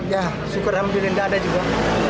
ya syukur ambilin dada juga